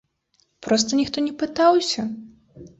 Проста ніхто не пытаўся.